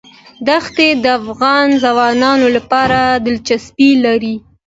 دښتې د افغان ځوانانو لپاره دلچسپي لري.